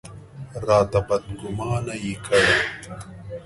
راته بدګومانه یې کړ.